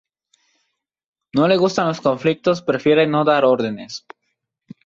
No le gustan los conflictos prefiere no dar órdenes.